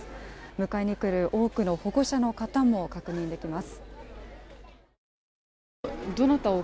迎えに来る多くの保護者の方も確認できます。